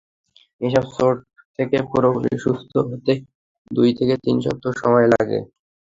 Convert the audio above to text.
এসব চোট থেকে পুরোপুরি সুস্থ হতে দুই থেকে তিন সপ্তাহ সময় লাগে।